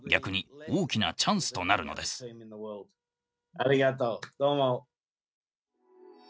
ありがとう、どうも。